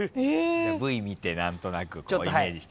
Ｖ見て何となくイメージして。